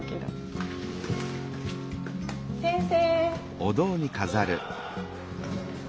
先生！